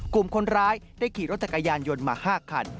กลุ่มคนร้ายได้ขี่รถจักรยานยนต์มา๕คัน